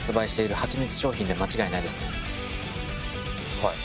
はい。